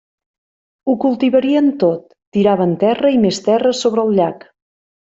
Ho cultivarien tot; tiraven terra i més terra sobre el llac.